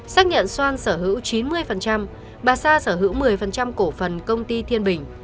xác nhận xoan sở hữu chín mươi bà sa sở hữu một mươi cổ phần công ty thiên bình